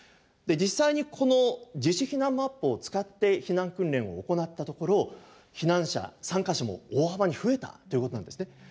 で実際にこの自主避難マップを使って避難訓練を行ったところ避難者参加者も大幅に増えたということなんですね。